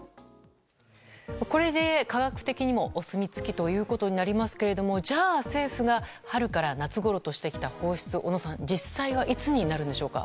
これで科学的にもお墨付きということになりますけれどもじゃあ、政府が春から夏ごろとしてきた放出小野さん、実際はいつになるんでしょうか。